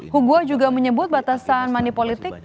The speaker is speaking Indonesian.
hugua juga menyebut batasan money politics